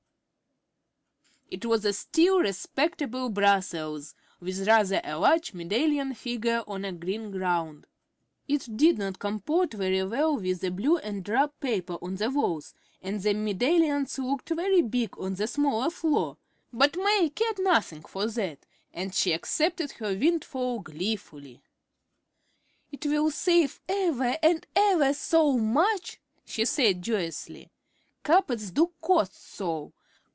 It was a still respectable Brussels, with rather a large medallion figure on a green ground. It did not comport very well with the blue and drab paper on the walls, and the medallions looked very big on the smaller floor; but May cared nothing for that, and she accepted her windfall gleefully. "It will save ever and ever so much," she said, joyously. "Carpets do cost so.